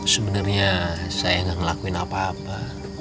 sebenernya saya gak ngelakuin apa apa